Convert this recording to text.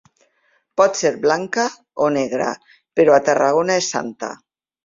Pot ser blanca o negra, però a Tarragona és santa.